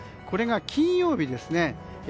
これが金曜日ですね。